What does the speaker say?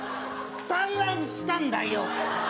産卵したんだよ。